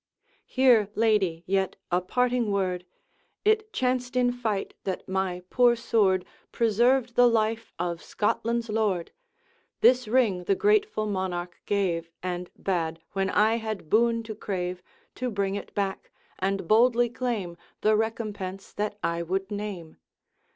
'Hear, lady, yet a parting word! It chanced in fight that my poor sword Preserved the life of Scotland's lord. This ring the grateful Monarch gave, And bade, when I had boon to crave, To bring it back, and boldly claim The recompense that I would name.